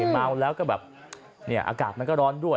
เมาแล้วก็แบบเนี่ยอากาศมันก็ร้อนด้วย